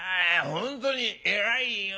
本当に偉いよ。